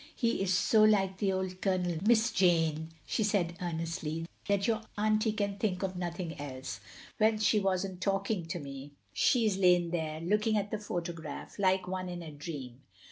"He is so like the old Colonel, Miss Jane," she said, earnestly, "that your auntie can think of ooihing else. When she was n't talking to me, 52 THE LONELY LADY she 's lain there, looking at the photograph, like one in a dream.